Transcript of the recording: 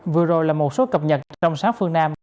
vừa rồi là một số cập nhật trong sáng phương nam